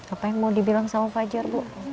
apa yang mau dibilang sama fajar bu